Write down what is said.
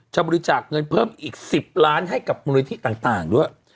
บริจาคเงินเพิ่มอีก๑๐ล้านให้กับมูลนิธิต่างด้วย